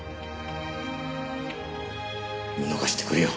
見逃してくれよ。